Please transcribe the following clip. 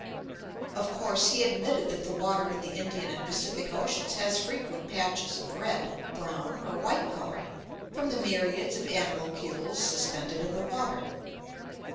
Of course, he admitted that the water in the Indian and Pacific Oceans has frequent patches of red, brown, or white colour, from the myriads of animalcules suspended in the water.